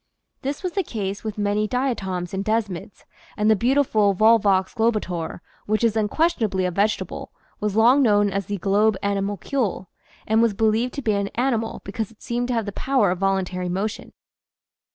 This was the case with many diatoms and desmids, and the beautiful volvox globator, which is unquestionably a vegetable, was long known as the "globe animalcule'' and was believed to be an animal because it seemed to have the, power of voluntary motion.